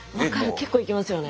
結構いきますよね。